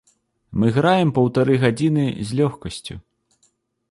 Мы граем паўтары гадзіны з лёгкасцю!